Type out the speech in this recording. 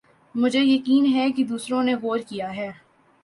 مجھے یقین ہے کہ دوسروں نے غور کِیا ہے